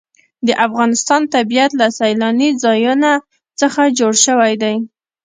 د افغانستان طبیعت له سیلانی ځایونه څخه جوړ شوی دی.